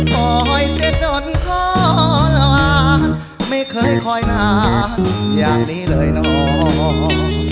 คอยเสียจนขอหลานไม่เคยคอยนานอย่างนี้เลยน้อง